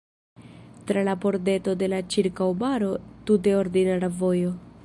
Tra la pordeto de la ĉirkaŭbaro tute ordinara vojo.